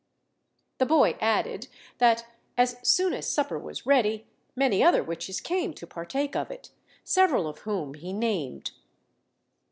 The boy added, that as soon as supper was ready, many other witches came to partake of it, several of whom he named.